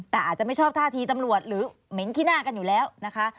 แต่อาจจะไม่ชอบท่าทีตำรวจหรือเหม็นขี้หน้ากันอยู่แล้วนะคะ